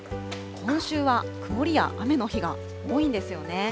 今週は曇りや雨の日が多いんですよね。